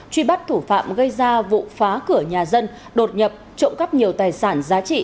truy bắt thủ phạm gây ra vụ phá cửa nhà dân đột nhập trộm cắp nhiều tài sản giá trị